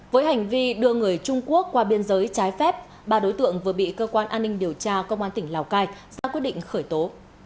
với hành vi đưa người trung quốc qua biên giới trái phép ba đối tượng vừa bị cơ quan an ninh điều tra công an tỉnh lào cai ra quyết định khởi tố